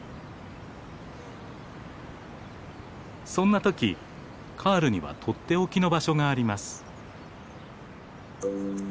そんなときカールには取って置きの場所があります。